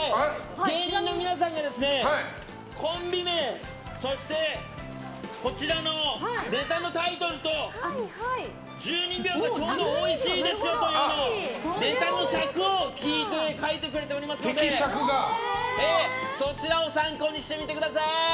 芸人の皆さんがコンビ名ネタのタイトルと１２秒がちょうどおいしいですよというネタの尺を書いてくれておりますのでそちらを参考にしてみてください。